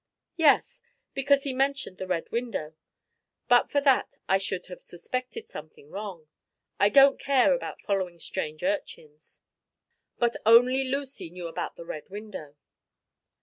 "Yes, because he mentioned the Red Window. But for that I should have suspected something wrong. I don't care about following strange urchins. But only Lucy knew about the Red Window."